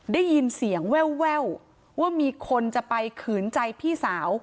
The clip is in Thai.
ได้ยินเสียงแววว่ามีคนจะไปขืนใจพี่สาว